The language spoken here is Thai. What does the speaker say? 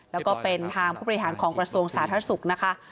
แล้วก็เป็นทางผู้บริหารของกระทรวงสาธารณสุขนะคะ